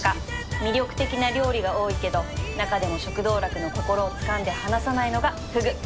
魅力的な料理が多いけど中でも食道楽の心をつかんで離さないのがフグ